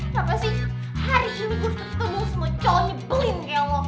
kenapa sih hari ini gue ketemu sama cowok nyebelin kayak lo